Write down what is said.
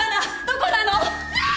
どこなの？」